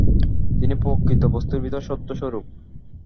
তিনিই প্রকৃত বস্তুর ভিতর সত্যস্বরূপ।